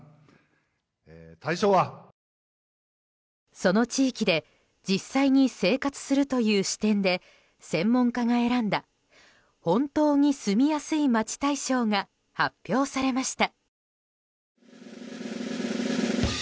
その地域で実際に生活するという視点で専門家が選んだ本当に住みやすい街大賞が発表されました。